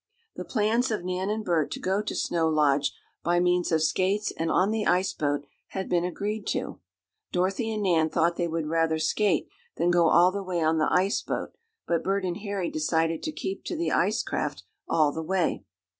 The plans of Nan and Bert to go to Snow Lodge by means of skates and on the ice boat had been agreed to. Dorothy and Nan thought they would rather skate than go all the way on the ice boat, but Bert and Harry decided to keep to the ice craft all the way.